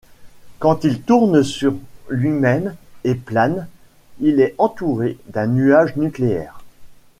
Quand il tourne sur lui-même et plane, il est entouré d'un nuage nucléaire.